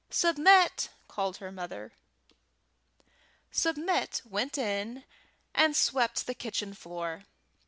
"Submit!" called her mother. Submit went in and swept the kitchen floor.